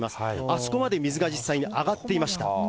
あそこまで水が実際に上がっていました。